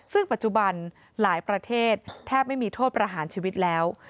ซึ่งปัจจุบันหลายประเทศแทบไม่มีโทษประหารชีวิตแล้ว